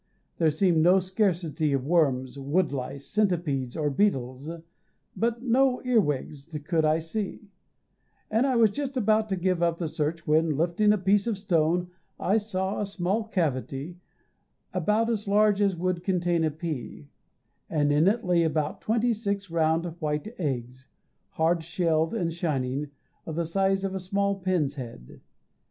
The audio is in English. There seemed no scarcity of worms, wood lice, centipedes, or beetles, but no earwigs could I see; and I was just about to give up the search when, lifting a piece of stone, I saw a small cavity, about as large as would contain a pea, and in it lay about twenty six round, white eggs, hard shelled and shining, of the size of a small pin's head.